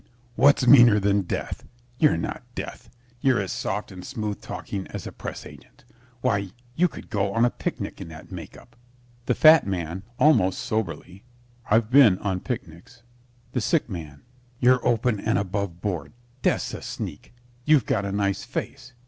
What's meaner than Death? You're not Death. You're as soft and smooth talking as a press agent. Why, you could go on a picnic in that make up. THE FAT MAN (almost soberly) I've been on picnics. THE SICK MAN You're open and above board. Death's a sneak. You've got a nice face.